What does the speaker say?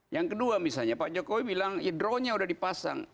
yang kedua misalnya pak jokowi bilang drone nya udah dipasang